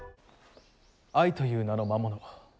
愛という名の魔物。